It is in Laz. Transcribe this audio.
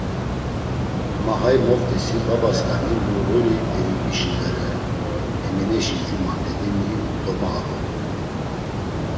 Ma hay moft̆isi babasǩani Murğuli Eyubişi bere, Emineşi cuma Nedimi domaoropu.